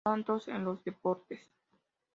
Santos en los deportes.